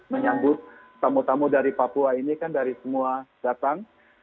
menyambut tamu tamu dari papua ini kan dari semua datang